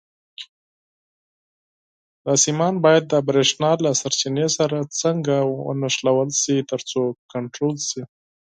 دا سیمان باید د برېښنا له سرچینې سره څنګه ونښلول شي ترڅو کنټرول شي.